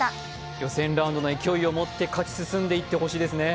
予選ラウンドの勢いを持って、勝ち進んでほしいですね。